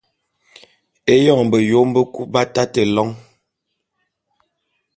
Éyoň beyom bekub b’atate lôň.